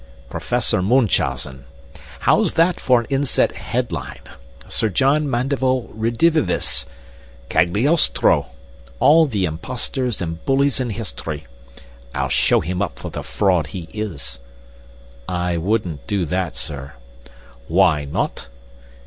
Professor Munchausen how's that for an inset headline? Sir John Mandeville redivivus Cagliostro all the imposters and bullies in history. I'll show him up for the fraud he is." "I wouldn't do that, sir." "Why not?"